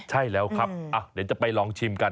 ใช่แล้วครับเดี๋ยวจะไปลองชิมกัน